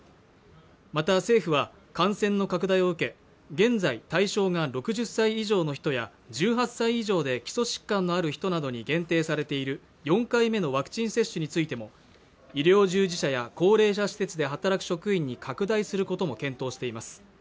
また政府は感染の拡大を受け現在対象が６０歳以上の人や１８歳以上で基礎疾患のある人などに限定されている４回目のワクチン接種についても医療従事者や高齢者施設で働く職員に拡大することも検討しています